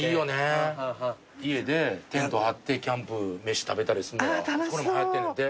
家でテント張ってキャンプ飯食べたりするのがそれもはやってんねんて。